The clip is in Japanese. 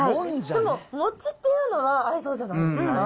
でも餅っていうのは合いそうじゃないですか。